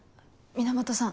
源さん